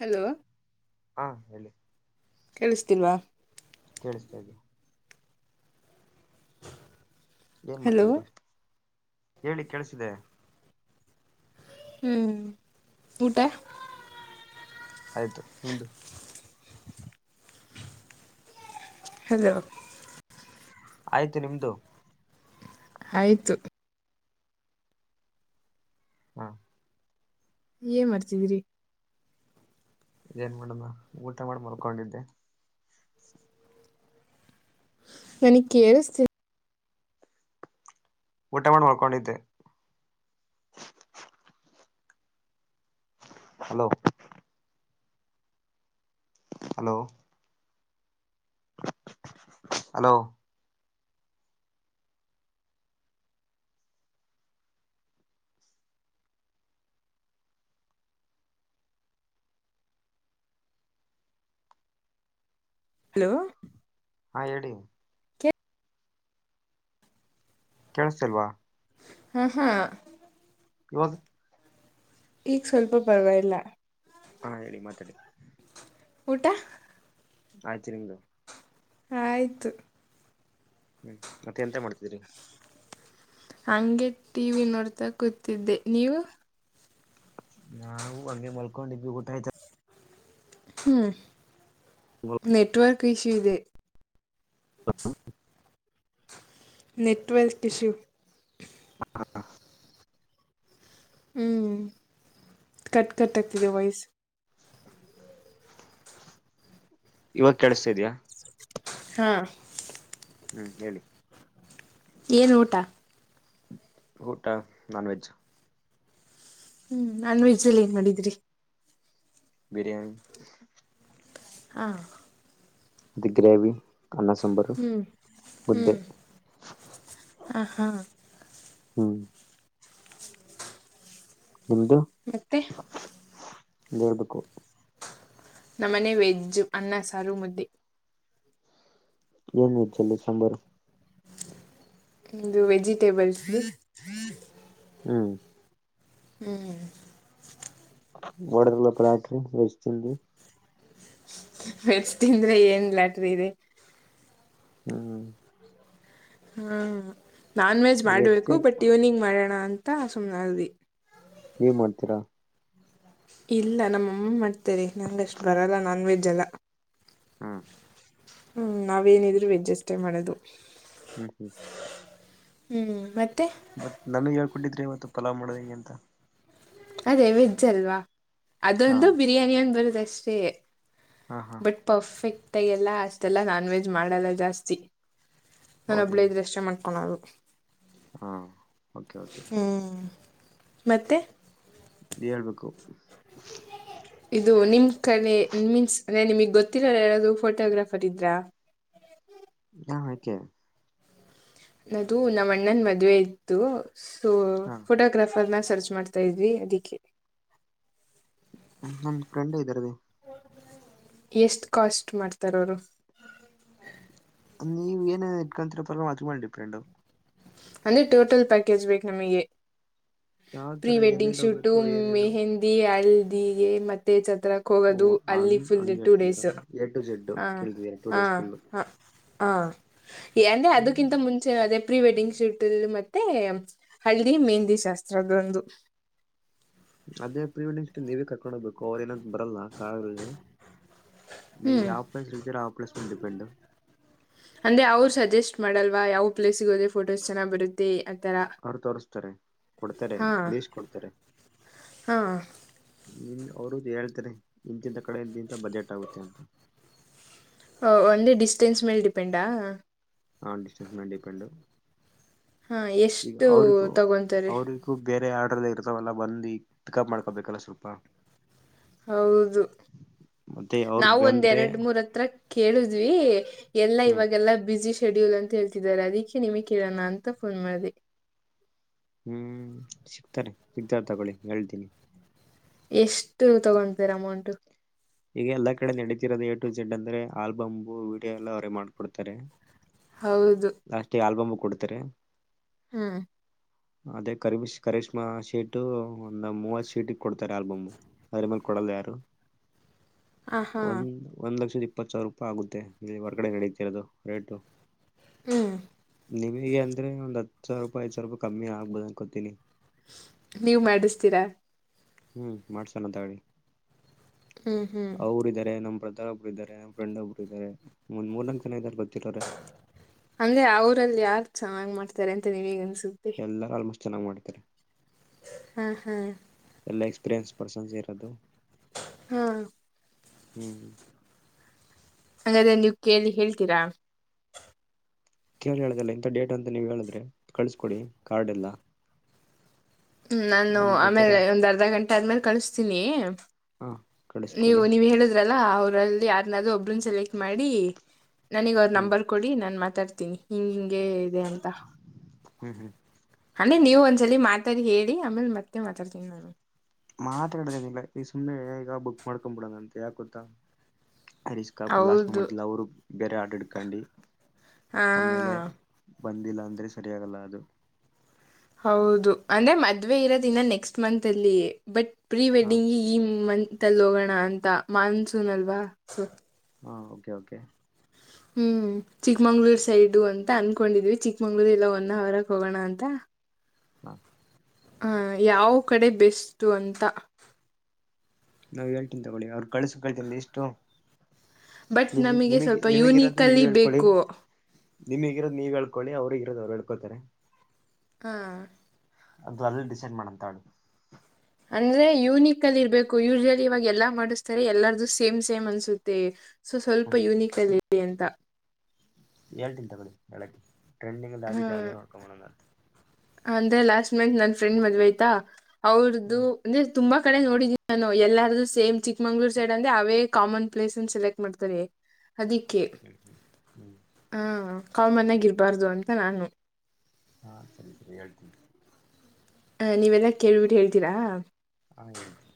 Hello ಹಾ ಹೇಳಿ ಕೇಳಸ್ತಿಲ್ವಾ ಕೇಳಿಸ್ತಾ ಇದೆ ಏನ್ ಹಲೋ ಮಾಡ್ತಿದ್ರಿ ಹೇಳಿ ಕೆಳ್ಸ್ತಿದೆ ಹ್ಮ್ ಊಟ ಆಯ್ತು ನಿಮ್ದು. ಹಲೋ. ಆಯ್ತು ನಿಮ್ದು ಆಯ್ತು ಹಾ ಏ ಮಾಡ್ತಿದ್ರಿ. ಇದೇನ್ ಮಾಡನ ಊಟ ಮಾಡ ಮಲ್ಕೊಡಿದ್ದೆ. ನನಗ್ ಕೇಳಸ್ತಿ ಊಟ ಮಾಡ್ ಮಕ್ಕೊಂಡಿದ್ದೆ ಹಲೋ ಹಲೋ ಹಲೋ ಹಲೋ ಹಾ ಹೇಳಿ ಕೇಳಸ್ತಿಲ್ವ ಹಾ ಹಾ ಇವಾಗ ಈಗ ಸ್ವಲ್ಪ ಪರ್ವಾಗಿಲ್ಲ ಹಾ ಹೇಳಿ ಮಾತಾಡಿ ಊಟ ಆಯ್ತು ನಿಮ್ದು ಆಯ್ತು ಹ್ಮ್ ಮತ್ತೆ ಎಂತ ಮಾಡ್ತಿದ್ರೀ ಹಂಗೆ ಟಿವಿ ನೋಡ್ತಾ ಕೂತಿದ್ದೆ ನೀವು ನಾವು ಅಂಗೆ ಮಲ್ಕೊಂಡಿದ್ವಿ ಊಟ ಆಯ್ತ ಹ್ಮ್ ನೆಟ್ವರ್ಕ್ ಇಶ್ಯೂ ಇದೆ [inaudible] ನೆಟ್ವರ್ಕ್ ಇಶ್ಯು ಹಾ ಹ್ಮ್ ಕಟ್ ಕಟ್ ಆಗ್ತಿದೆ ವಾಯ್ಸ್ ಇವಾಗ ಕೇಳಸ್ತಾ ಇದ್ಯಾ ಹಾ ಹ್ಮ್ ಹೇಳಿ ಏನು ಊಟ ಊಟ ನಾನ್ವೆೆಜ್ ಹ್ಮ್ ನಾನ್ ವೆಜಲ್ಲಿ ಏನ್ ಮಾಡಿದ್ರಿ ಬಿರಿಯಾನಿ ಹಾ ದಿ ಗ್ರೇವಿ ಅನ್ನ ಸಾಂಬಾರು ಹ್ಮ್ ಮುದ್ದೆ ಆ ಹಾ ಹ್ಮ್ ನಿಮ್ದು ಮತ್ತೆ ಹೇಳ್ಬೇಕು ನಮ್ಮನೆ ವೆಜ್ಜ್ ಅನ್ನ ಸಾರು ಮುದ್ದೆ ಏನು ವೆಜ್ಜಲ್ಲಿ ಸಾಂಬಾರು ಇಂದು ವೆಜಿಟೇಬಲ್ಸ್ ಹ್ಮ್ ಹ್ಮ್ ಹೊಡದ್ರಲ್ಲಪ್ಪ ಲಾಟ್ರಿ ವೆಜ್ ಚಿಲ್ಲಿ ವೆಜ್ ತಿಂದ್ರೆ ಏನ್ ಲಾಟ್ರಿ ಇದೆ ಹ್ಮ್ ಹಾ ನಾನ್ ವೆಜ್ ಮಾಡ್ಬೇಕು ಬಟ್ ಈವ್ನಿಂಗ್ ಮಾಡೋಣ ಅಂತ ಸುಮ್ಮನಾದ್ವಿ ನೀವ ಮಾಡ್ತೀರಾ ಇಲ್ಲ ನಮ್ಮಮ್ಮ ಮಾಡ್ತರೆ ನಂಗಷ್ಟು ಬರಲ್ಲ ನಾನ್ ವೆಜ್ ಎಲ್ಲ ಹ್ಞೂಂ ಹ್ಮ್ ನಾವೇನಿದ್ರು ವೆಜ್ ಅಷ್ಟೇ ಮಾಡೋದು ಹ್ಮ್ ಹ್ಮ್ ಹ್ಮ್ ಮತ್ ಮತ್ ನನಗೆ ಹೇಳ್ಕೊಟ್ಟಿದ್ರಿ ಇವತ್ತು ಪಲಾವ್ ಮಾಡೋದ ಹೆಂಗೆ ಅಂತ ಅದೇ ವೆಜ್ ಅಲ್ವಾ ಹಾ ಅದೊಂದು ಬಿರಿಯಾನಿ ಒಂದು ಬರುದ ಅಷ್ಟೇ ಹಾ ಹಾ ಬಟ್ ಪರ್ಫೆಕ್ಟ್ ಆಗೆಲ್ಲ ಅಷ್ಟೆಲ್ಲ ನಾನ್ ವೆಜ್ ಮಾಡಲ್ಲ ಜಾಸ್ತಿ ನಾನ ಒಬ್ಬಳ ಹೌದೇನು ಇದ್ರಷ್ಟೇ ಮಾಡ್ಕೊಳೋದು ಹಾ ಓಕೆ ಓಕೆ ಹ್ಮ್ ಮತ್ತೆ ನೀವೆ ಹೇಳ್ಬೇಕು [inaudible] ಇದು ನಿಮ್ ಕಡೆ ಮೀನ್ಸ್ ಅಂದ್ರೆ ನಿಮಗ ಗೊತ್ತಿರೋರ್ ಯಾರಾದ್ರೂ ಫೋಟೋಗ್ರಾಫರ್ ಇದ್ರಾ ಹಾ ಯಾಕೆ ಅದು ನಮ್ಮ ಅಣ್ಣನ್ ಮದ್ವೆ ಇತ್ತು ಸೊ ಹಾ ಫೋಟೋಗ್ರಾಫ್ ಫರ್ನ ಸರ್ಚ್ ಮಾಡ್ತಾ ಇದ್ವಿ ಅದಿಕ್ಕೆ ನಮ್ ಫ್ರೆಂಡ್ ಇದ್ದಾರೆ ಎಷ್ಟ ಕಾಸ್ಟ್ ಮಾಡ್ತಾರ ಅವರು ನೀವ ಏನ ಇಟ್ಕೊಂತರ ಪಾ ಅದರ ಮ್ಯಾಲ ಡಿಪೆಂಡ್ ಅಂದ್ರೆ ಟೋಟಲ್ ಪ್ಯಾಕೇಜ್ ಬೇಕು ನಮಗೆ ಯಾವ್ ಪ್ರೀ ತರ ವೆಡ್ಡಿಂಗ್ ಎಲ್ಲೆಲ್ಲಿ ಶೂಟು ಹೋಗ್ಬೇಕು ಏನೇನು ಮೆಹೆಂದಿ ಹಲ್ದಿಗೆ ಮತ್ತೆ ಚ ಚತ್ರಕ್ಕ ಓ ಹೋಗೋದು ಅಲ್ಲಿ ಹಂಗ್ ಫುಲ್ ಹಂಗ್ ಟೂ ಡೇಸ್ ಹೇಳ್ತಿದೀರಾ ಎ ಟು ಜೆಡ್ ಹ ಕೇಳ್ತಿದೀರಾ ಟೂ ಹ ಡೇಸ್ ಫುಲ್ ಹ ಹ ಅಂದ್ರೆ ಹ್ಮ್ ಅದಕ್ಕಿಂತ ಮುಂಚೆ ಅದೇ ಪ್ರೀ ವೆಡ್ಡಿಂಗ್ ಶೂಟಲ್ ಮತ್ತೆ ಹಳ್ದಿ ಮೆಹಂದಿ ಶಾಸ್ತ್ರದೊಂದು ಅದೇ ಪ್ರೀ ವೆಡ್ಡಿಂಗ್ ಶೂಟ್ ನೀವೇ ಕರ್ಕೊಂಡ ಹೋಗ್ಬೇಕು ಅವ್ರ ಏನಂತ ಬರಲ್ಲ ಕಾರಲ್ಲಿ ನೀವು ಹ್ಮ್ ಯಾವ ಪ್ಲೇಸ್ ಏಳ್ತೀರಾ ಆ ಪ್ಲೇಸ್ ಮೇಲೆ ಡಿಪೆಂಡ ಅಂದ್ರೆ ಅವ್ರು ಸಜೆಸ್ಟ್ ಮಾಡಲ್ವಾ ಯಾವ್ ಪ್ಲೇಸ್ಗೆ ಹೋದ್ರೆ ಫೋಟೋಸ್ ಚೆನ್ನಾಗಿ ಬರುತ್ತೆ ಥರ ಅವ್ರು ತೋರ್ಸ್ತಾರೆ ಕೊಡ್ತಾರೆ ಹಾಂ ಲೀಸ್ಟ್ ಕೊಡ್ತಾರೆ ಹಾಂ ನಿಮ್ ಅವರುದು ಹೇಳ್ತಾರೆ ಇಂತಿಂತ ಕಡೆ ಇಂತಿಂತ ಬಜೆಟ್ ಆಗುತ್ತೆ ಅಂತ ಓ ಒಂದೇ ಡಿಸ್ಟೆನ್ಸ್ ಮೇಲೆ ಡಿಪೆಂಡಾ ಹಾ ಡಿಸ್ಟೆನ್ಸ್ ಮೇಲೆ ಡಿಪೆಂಡು ಹಾಂ ಈಗ್ ಎಷ್ಟು ಅವ್ರಿಗೂ ತಗೊತಾರೆ ಅವರಿಗೂ ಬೇರೆ ಆಡ್ ರ ಇರ್ತಾವಲ್ಲ ಬಂದು ಪಿಕಪ್ ಮಾಡ್ಕೋಬೇಕಲ್ಲ ಸ್ವಲ್ಪ ಹೌದು ಮತ್ತೆ ಅವ್ರ ನಾವು ಒಂದ್ ಬಂದ್ರೆ ಎರಡ್ ಮೂರ್ ಹತ್ರ ಕೇಳಿದ್ವಿ ಎಲ್ಲಾ ಹ್ಮ್ ಇವಾಗೆಲ್ಲಾ ಬ್ಯುಸಿ ಶೆಡ್ಯೂಲ್ ಅಂತ ಹೇಳ್ತಿದ್ದಾರೆ ಅದಕ್ಕೆ ನಿಮಿಗ್ ಕೇಳೋಣ ಅಂತ ಫೋನ್ ಮಾಡಿದೆ ಹ್ಮ್ ಸಿಗ್ತಾರೆ ಸಿಗ್ತಾರ ತಗೊಳ್ಳಿ ಹೇಳ್ತೀನಿ ಎಷ್ಟು ತಗೊಂಡ್ತಾರೆ ಅಮೌಂಟ ಈಗ ಎಲ್ಲಾ ಕಡೆ ನಡೀತಿರೋದು ಏ ಟು ಜೆಡ್ ಅಂದ್ರೆ ಆಲ್ಬಮು ವಿಡಿಯೋ ಎಲ್ಲ ಅವರೇ ಮಾಡ್ಕೊಡ್ತಾರೆ ಹೌದು ಲಾಷ್ಟೀಗೆ ಆಲ್ಬಮ್ ಕೊಡ್ತಾರೆ ಹ್ಞೂಂ ಅದೇ ಕರಿ ಕರೀಶ್ಮಾ ಶೀಟು ಒಂದ್ ಮೂವತ್ ಶೀಟ ಕೊಡ್ತಾರೆ ಆಲ್ಬಮ್ ಅದರ ಮೇಲ್ ಕೊಡಲ್ಲ ಯಾರು ಹಾಂ ಹಾಂ ಒಂದ ಒಂದ್ ಲಕ್ಷದ ಇ ಇಪ್ಪತ್ತು ಸಾವಿರ ರೂಪಾಯಿ ಆಗುತ್ತೆ ಇಲ್ಲಿ ಹೊರಗಡೆ ನಡೀತಿರೋದು ರೇಟು ಹ್ಮ್ ನಿಮಗೆ ಅಂದ್ರ ಒಂದೆ ಹತ್ತು ಸಾವಿರ ರೂಪಿಯ್ ಐದು ಸಾವರ ರೂಪಾಯಿ ಕಮ್ಮಿ ಆಗ್ಬೋ ಅನ್ಕೋತಿನಿ. ನೀವ್ ಮಾಡಿಸ್ತೀರಾ ಹ್ಮ್ ಮಾಡ್ಸೋಣ ತಗಿ ಹ್ಞೂ ಹ್ಞೂ ಅವರುಾರೆ ನಮ್ಮ ಪ್ರ ಒಬ್ಬರು ಇದಾರೆನಮ್ಮಫ್ರೆಂಡ್ ಒಬ್ರು ಇದಾರೆ ಒನ್ ಮೂರ ನಾಲ್ಕು ಜನ ಇದಾರೆ ಗೊತ್ತಿರೋರೆ ಅಂದೆ ಅವರಲ್ಲಿ ಯಾರ್ ಚೆನ್ನಾಗಿ ಮಾಡ್ತಾರೆ ಅಂತ ನೀವ ಈಗನ್ಸ ಎಲ್ಲಾರ ಆಲ್ಮೋಸ್ಟ್ ಚೆನ್ನಾಗ್ ಮಾಡ್ತಾರೆ. ಹ್ಮ ಹ್ಮ್ ಎಲ್ಲಾ ಎಕ್ಸ್ಪೀರಿಯನ್ಸ್ ಪರ್ಸನ್ಸ್ ಇರೋದು ಹ್ಮ ಹ್ಮ್ ಹ್ಮ ಹಂಗಾದ್ರೆ ನೀವ್ ಕೇಳೇಳಿ ಹೇಳ್ತೀರಾ ಕೇಳಿ ಹೇಳುದಲ್ಲ ಇಂಥ ಡೇಟ್ ಅಂತ ನೀವು ಹೇಳಿದ್ರೆ ಕಳ್ಸಕೊಡಿ ಕಾರ್ಡ್ ಎಲ್ಲ ಹ್ಮ ನಾನು ಒಂದ್ ಬೇಕಾರೆ ಆಮೇಲೆ ಒಂದ್ ಅರ್ಧ ಗಂಟೆ ಆದ್ಮೇಲೆ ಕಳಿಸತೀನಿ ಹಾ ನೀವು ಕಳಿಸ್ಕೊಡಿ ನೀವ ಹೇಳುದ್ರಲ್ಲಾ ಅವದು ಯಾರ ಒಬ್ರು ಸೆಲೆಕ್ಟ್ ಮಾಡಿ ನನಗ್ ಅವ ಹ್ಮ್ ನಂಬರ್ ಕೊಡಿ ನ ಮಾತಾಡ್ತಿನಿ ತಿನಿ ಹ್ ಹಿಂಗೆ ಇದೆ ಅಂತ. ಹ್ಮ್ ಹ್ಮ್ ಅಲ್ಲೆ ನೀವು ಒಂದ್ಸಲಿ ಮಾತಾಡಿ ಹೇಳಿ ಆಮೇಲ್ ಮತ್ತೆ ಮಾತಾಡ್ತೀನಿ ನಾನು ಮಾತ್ರಾಡ್ದೇನ ಇಲ್ಲ ಈಗ ಸುಮ್ನೆ ಈಗ ಬುಕ್ ಮಾಡ್ಕೊಬ ಬಿಡಣ ಅಂತ ಯಾಕ್ ಗೊತ್ತಾ ಹರೀಶ್ಕಾ ಲಾಸ್ಟ್ ಹೌದು ಮುೊಮೆಂಟ್ ಅವರು ಬೇರೆ ಆಟಾಡ್ಕೊಂಡಿ ಹಾ ಬಂದಿಲ್ಲ ಅಂದ್ರೆ ಸರಿಯಾಗಲ್ಲ ಅದು ಹೌದು ಅಂದ್ರೆ ಮದ್ವೆ ಇರೋದಿನ ನೆಕ್ಸ್ಟ್ ಮಂತ್ ಅಲ್ಲಿಯ ಬಟ್ ಪ್ರೀ ಹಾ ವೆಡ್ಡಿಂಗಗೆ ಈ ಮಂತ್ ಅಲ್ಲಿ ಹೋಗೋಣ ಅಂತ ಮಾನ್ಸೂನ್ ಅಲ್ವಾ ಸ ಹಾಂ ಓಕೆ ಓಕೆ ಹ್ಮ್ ಚಿಕ್ಮಂಗ್ಳೂರ್ ಸೈಡು ಅಂತ ಅನ್ಕೊಂಡಿದ್ವಿ ಚಿಕ್ಕಮಂಗ್ಳೂರ್ ಎಲ್ಲ ಒನ್ನ ಅವರಕ್ ಹೋಗೋಣ ಅಂತ ಹಾ ಹ ಯಾವ ಕಡೆ ಬೆಸ್ಟು ಅಂತ ನಾವ್ ಹೇಳ್ತೀನಿ ತಗೊಳ್ಳಿ ಅವ್ರು ಕಳ್ಸು ಕಳ್ತನ್ ಲಿಷ್ಟು ಬಟ್ ನಿಮ ನಮಗೆ ನಿಮಗ್ ಸ್ವಲ್ಪ ನಿಮಗಿರೋದು ನೀವ ಯೂನಿಕಲ್ಲಿ ಹೇಳ್ಕೊಳ್ಳಿ ಬೇಕು ನಿಮಗಿರೋದು ನೀವ ಹೇಳ್ಕೊಳ್ಳಿ ಅವ್ರಗ ಇರೋದು ಅವ್ರು ಹಳ್ಕೊಳ್ತಾರೆ ಹಾ ಅದು ಅಲ್ಲಿ ಡಿಸೈಡ್ ಮಾಡಂತಾಳಿ ಅಂದ್ರೆ ಯೂನಿಕ್ ಅಲ್ಲಿ ಇರ್ಬೇಕು ಯೂಜಲಿ ಇವಾಗ ಎಲ್ಲಾ ಮಾಡಿಸ್ತಾರೆ ಎಲ್ಲಾರ್ದು ಸೇಮ್ ಸೇಮ್ ಅನ್ಸುತ್ತೆ ಸೊ ಸ್ವಲ್ಪ ಹ್ಮ್ ಯುನೀಕ್ ಅಲ್ಲಿದೆ ಅಂತ ಹೇಳ್ತೀನ್ ತಗಳಿ ಬೆಳಗ್ಗೆ ಟ್ರೆಂಡಿಂಗ್ಲ್ಲಿ ಹ್ಮ ಯಿದೆ ಅದೇನ್ ನೋಡ್ಕೊಣ ಅಂತ ಅಂದ್ರೆ ಲಾಸ್ಟ್ ಮಂತ್ ನನ್ ಫ್ರೆಂಡ್ ಮದ್ವೆ ಆಯ್ತಾ ಅವ್ರದ್ದು ಹ್ಮ್ ಅಂದ್ರೆ ತುಂಬಾ ಕಡೆ ನೋಡಿದಿ ನಾನು ಎಲ್ಲಾರು ಸೇ್ ಚಿಕ್ಮಂಗಗಳೂರು ಸೈಡ್ ಅಂದ ಅವೇ ಕಾಮನ್ ಪ್ಲೇಸ್ ಅ ಸೆಲೆಕ್ಟ್ ಮಾಡ್ತವಿ ಅದಕ್ಕೆ ಹ್ಮ್ ಹ್ಮ್ ಹ್ಮ್ ಹ ಕಾಲ್ ಮನ್ಯಗ ಇರಬಾರ್ದು ಅಂತ ನಾನು ಹಾ ಸರಿ ಸರಿ ಹೇಳ್ತೀನಿ ಹ ನೀವೆಲ್ಲಾ ಕೇಳ್ಬಿಟ್ಟ ಹೇಳ್ತೀರಾ ಹಾ ಹೇಳ್ತೀನಿ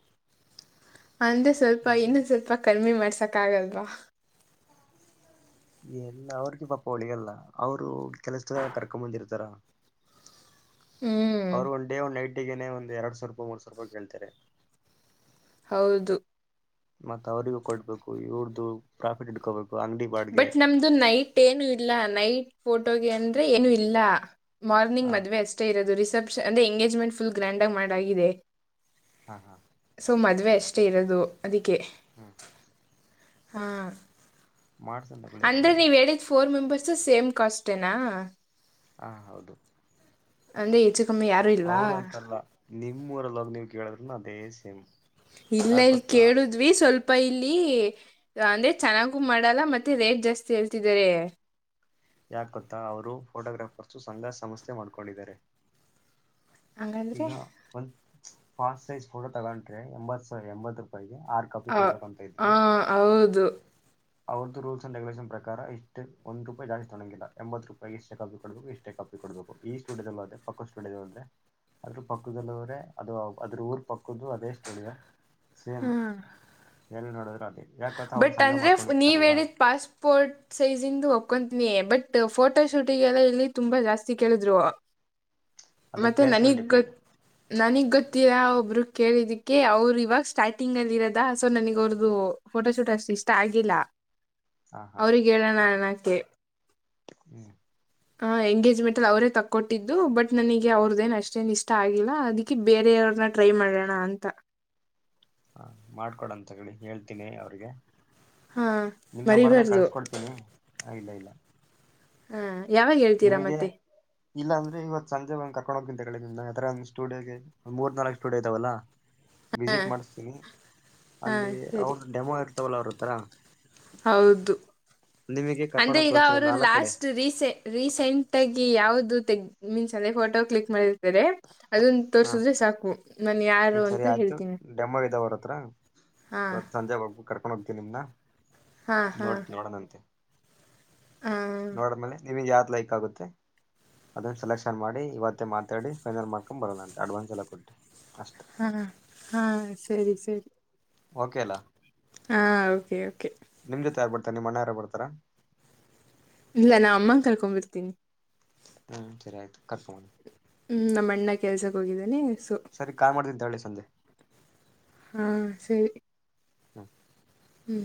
ಅಂದ್ರೆ ಸ್ವಲ್ಪ ಮತ್ತೆ ಇನ್ನು ಸ್ವಲ್ಪ ಕಮ್ಮಿ ಮಾಡ್ಸಕ್ ಆಗಲ್ವಾ ಎಲ್ಲ ಅವ್ರಗ ಪಾಪ ಉಳಿಯಾಲ್ಲ ಅವರು ಕೆಲಸದ ಕರ್ಕೊಂಬಂದಿರ್ತಾರ. ಹಾ [inaudible] ಅವ್ರು ಒಂದ್ ಡೇ ಒನ್ ನೈಟ ಗನೆ ಒಂದ ಎರಡ್ ಸಾವಿರ ರೂಪಾಯಿ ಮೂರ್ ಸಾವರ ರೂಪಾಯಿ ಕಗೆೇಳ್ತಾರೆ ಹೌದು ಮತ್ತತ್ ಅವ್ರಗೂ ಕೊಡ್ಬೇಕು ಇವಡ್ದು ಪ್ರಾಫಿಟ್ ಇಡ್ಕೋಬೇಕು ಅಂಗಡಿ ಬಾಡ್ಗೆ ಬಟ್ ನಮ್ದು ನೈಟ್ ಏನು ಇಲ್ಲ ನೈಟ್ ಫೋಟೋಗೆ ಅಂದ್ರೆ ಏನು ಇಲ್ಲ ಹ ಮಾರ್ನಿಂಗ್ ಮದುವೆ ಅಷ್ಟೇ ಇರೋದು ರಿಸೆಪ್ಷನ್ ಅಂದ್ರೆ ಎಂಗೇಜ್ಮೆಂಟ್ ಫುಲ್ ಗ್ರ್ಯಾಂಡ್ಗಿ ಮಾಡಾಗಿದೆ ಹಾ ಹಾ ವಷ್ಟೇ ಇರೋದು ಅದಕ್ಕೆ ಹ್ಮ ಹ ಮಾಡ್ಸನ್ ತಗೊಳ್ಳಿ ಅಂದ್ರೆ ನೀವ್ ಅದ್ರಲ್ಲೇನಿಲ್ಲ ಹೇಳಿದ್ ಫೋರ್ ಮೆಂಬರ್ಸ್ ಸೇಮ್ ಕಾಸ್ಟೇನಾ ಹಾ ಹೌದು ಅಂದ್ರೆ ಹೆಚ್ಚು ಕಮ್ಮಿ ಯಾರೂ ಇಲ್ವಾ ಅವ್ರ ಅಂತಲ್ಲ ನಿಮ್ಮೂರಲ್ಲೋಗ ನೀವ್ ಕೇಳಿದ್ರುನು ಅದೇ ಸೇಮ್ ಇಲ್ಲ ಯಾಕ ಇಲ್ ಗೊತ್ತಾ ಕೇಳಿದ್ವಿ ಸ್ವಲ್ಪ ಅಪ ಇಲ್ಲಿ ಅಂದ್ರೆ ಚೆನ್ನಾಗು ಮಾಡಲ್ಲ ಮತ್ತೆ ರೇಟ್ ಜಾಸ್ತಿ ಹೇಳ್ತಿದ್ದಾರೆ ಯಾಕೊತ್ತಾ ಅವರು ಫೋಟೋಗ್ರಾಫರ್ಸು ಸಂಘ ಸಂಸ್ಥೆ ಮಾಡ್ಕೊಂಡಿದ್ದಾರೆ. ಹಂಗಂದ್ರೆ ಈಗ ಒಂದ ಫಾಸ್ಟ್ ಸೈಜ್ ಫೋಟೋ ತಗೊಂಡ್ರೆ ಎಂಬತ್ ಎಂಬತ್ ರೂಪಾಯಿಗೆ ಆರು ಕಾಪಿ ಕೊಡ್ಬೇಕು ಅಂತ ಇದ್ರೆ ಹಾ ಹೌದು ಅವ್ರ್ದ ರೂಲ್ಸ್ ಅಂಡ್ ರೆಗುಯುಲೇಷನ್ ಪ್ರಕಾರಷ್ಟ ಒಂದು ರೂಪಾಯ ಜಾಸ್ತೊಂಗಿಲ್ಲ ಎಂಬತ್ತು ರೂಪಾಯಿ ಎಷ್ಟೇ ಕಫಿ ಕಡಬೇಕು ಎಷ್ಟೇ ಕ [unintelligible] ಕೊಡ್ಬೇಕು ಈ ಸ್ಟುಡಿಯೋ [unintelligible] ಪಕ್ಕದ ಸ್ಟುಡಿಯೋ [unintelligible] ಅದ್ರ ಪಕ್ಕದಲ್ಲ್ರೆ ಅದು ಅದ್ರ ಊರ್ ಪಕ್ಕದದು ಅದೇ ಸ್ಟುಡಿಯೋ ಹ್ಮ್ ಸೇಮ್ ಎಲ್ಲಿ ನೋಡಿದ್ರು ಅದೇ ಯಾಕ ಗೊತ್ತಾ ಅವ್ರು ಬಟ್ ಸಂಘ ಅಂದ್ರೆ ನೀವ ಮಾಡ್ಕೊಂಡಿರ್ತಾರಲ್ಲ ಹೇಳಿದ ಪಾಸ್ಪೋರ್ಟ್ ಸೈಜ ಇಂದು ನೀ ಬಟ್ ಫೋಟೋ ಶೂಟಿಗೆಲ್ಲ ಇಲ್ಲಿ ತುಂಬಾ ಜಾಸ್ತಿ ಕೇಳಿದ್ರು ಅದು ಪ್ಲೇಸ್ ಮೆಲ್ ಡಿಪೆಂಡ್ ನನಗ್ ಗೊತ್ತಿಲ್ಲ ಒಬರು ಕೇಳಿದಕ್ಕೆ ಅವರು ಇವಾಗ ಸ್ಟಾರ್ಟಿಂಗ್ ಅಲ್ಲಿ ಇರದ ಸೊ ನನಗ್ ಅವ್ರದು ಫೋಟೋ ಶೂಟ್ ಅಷ್ಟು ಇಷ್ಟ ಆಗಿಲ್ಲ ಹಾ ಹಾ ಅವ್ರಿಗೆ ಹೇಳೋಣ ಅಣಕೆ. ಹ್ಮ್ ಹ ಎಂಗೇಜ್ಮೆಂಟ್ ಅಲ್ಲಿ ಅವರೇ ತಕ್ಕೊಟ್ಟಿದ್ದು ಬಟ್ ನನಗೆ ಅವ್ರದ್ದ ಏನ್ ಅಷ್ಟೇನ್ ಇಷ್ಟ ಆಗಿಲ್ಲ ಅದಿಕ್ಕೆ ಬೇರೆ ನ್ನ ಟ್ರೈ ಮಾಡೋಣ ಅಂತ. ಹ ಮಾಡ್ಕೊಡಂತ ತಗಲ್ಲಿ ಹೇಳ್ತೀನಿ ಅವ್ರಿಗೆ. ಹಾ ನಿಮ ನಮರ್ದ ಮರಿಬಾರ್ದು ಕಳ್ಸ್ಕೊಡ್ತೀನಿ ಇಲ್ಲ ಇಲ್ಲ ಹಾ ಯಾವಾಗ ಹೇಳ್ತೀರಾ ನಿಮಗೆ ಮತ್ತೆ ಇಲ್ಲ ಅಂದ್ರೆ ಇವ ಸಂಜೆಂದ್ ಕರ್ಕೊಂಡು ಹೋಗ್ತೀನಿ ತಗೋಳಿನಿಮ್ನ ಯತ್ರ ಒಂದು ಸ್ಟುಡಿಯೋಗೆ ಮೂರ್ನಲ್ಕ್ ಸ್ಟುಡಿಯೋ ಇದಾವಲ್ಲ ಹಾ ವಿಸಿಟ್ ಮಾಡಿಸ್ತೀನಿ ಹಾ ಅಲ್ಲಿ ಸರಿ ಅವ್ರ ಡೆಮೋ ಇರ್ತವಲ್ಲ ಅವ್ರ ಹತ್ರ ಹೌದು ನಿಮಗೆ ಅಂದ್ರೆ ಕರ್ಕೊಂಡೋಗಿ ಈಗ ತೋರ್ಸಿರ ಅವರು ನಾಲ್ಕ್ ಕಡೆ ಲಾಸ್ಟ್ ರೀಸೆ ರೀಸೆಂಟ್ ಆಗಿ ಯಾವ್ದು ತೆಗ್ ಮೀನ್ಸ್ ಅಂದ್ರೆ ಫೋಟೋ ಕ್ಲಿಕ್ ಮಾಡಿರ್ತಾರೆ ಅದನ್ನ ಹಾ ತೋರ್ಸುದ್ರೆ ಸಾಕು ನಾನ ಯಾರು ಹ್ಮ್ ಅಂತ ಸರಿ ಆಯ್ತು ಹೇಳ್ತೀನಿ. ಡೆಮೋ ಇದಾವ ಅವ್ರ ಹತ್ರ ಹಾ ಇವತ್ ಸಂಜೆ ಹೋಗ್ಬ ಕರ್ಕೊಂಡ್ ಹೋಗ್ತೀವಿ ನಿಮ್ನ ಹಾ ಹಾ ನೋಡ್ ನೋಡಣಂತೆ ಹಾ ನೋಡ್ಮೇಲೆ ನಿಮಗ್ ಯಾವಾದ್ ಲೈಕ್ ಆಗುತ್ತೆ ಅದನ್ನ ಸೆಲೆಕ್ಷನ್ ಮಾಡಿ ಇವತ್ತೇ ಮಾತಾಡಿ ಫೈನಲ್ ಮಾರ್ಕ ಬರೋಲ್ಲ ಅಂತ ಅಡ್ವಾನ್ಸ್ ಎಲ್ಲ ಕೊಟ್ಟಿ ಹಾ ಹಾ ಸರಿ ಸರಿ ಓಕೆಲಾ ಹಾ ಓಕೆ ಓಕೆ ನಿಮ್ ಜೊತೆ ಯಾರ್ ಬರ್ತಾರೆ ನಿಮ್ಮ ಮಣ್ಣ ಯಾರ ಬರ್ತಾರಾ ಇಲ್ಲ ನಾ ಅಮ್ಮನ ಕರ್ಕೊಂಡ್ಬಿಡ್ತೀನಿ ಹ್ಮ್ ಸರಿಯ್ತ ಕರ್ಕೊಂಡುಬನ್ನಿ ಹ್ಮ್ ನಮ್ಮ ಅಣ್ಣ ಕೆಲ್ಸಕ್ ಹೋಗಿದ್ದೇನನೆ. ಸರಿ ಕಾಲ್ ಮಾಡ್ತಿದ್ದಳ್ಳಿ ಸಂಜೆ ಹಾ ಸರಿ ಹ್ಮ ಹ್ಮ್